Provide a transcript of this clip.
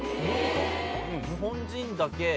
日本人だけ。